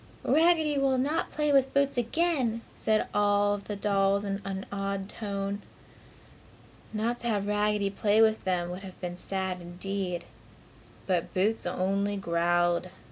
"Raggedy will not play with Boots again!" said all of the dolls in an awed tone. Not to have Raggedy play with them would have been sad, indeed. But Boots only growled.